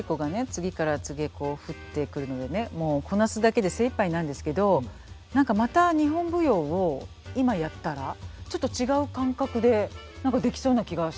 次から次へこう降ってくるのでねもうこなすだけで精いっぱいなんですけど何かまた日本舞踊を今やったらちょっと違う感覚でできそうな気がしますね。